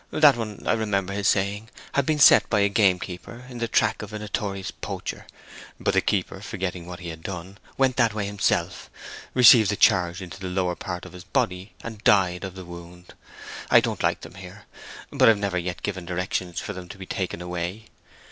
That one, I remember his saying, had been set by a game keeper in the track of a notorious poacher; but the keeper, forgetting what he had done, went that way himself, received the charge in the lower part of his body, and died of the wound. I don't like them here, but I've never yet given directions for them to be taken away."